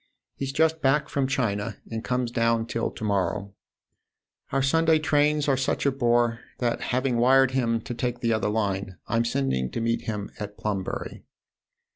He's just back from China and comes down till to morrow. Our THE OTHER HOUSE 9 Sunday trains are such a bore that, having wired him to take the other line, I'm sending to meet him at Plumbury."